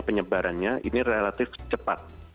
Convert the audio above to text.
penyebarannya ini relatif cepat